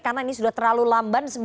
karena ini sudah terlalu lamban